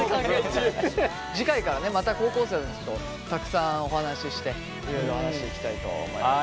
次回からねまた高校生たちとたくさんお話ししていろいろ話していきたいと思います。